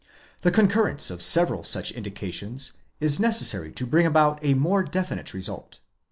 The concurrence of several such indica tions, is necessary to bring about a more definite result.